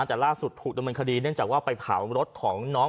แต่ลาดสุดผูกดำบันคดีเนื่องจากว่าไปถ่ายขนาดรถของน้อง